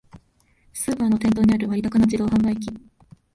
スーパーの店頭にある割高な自動販売機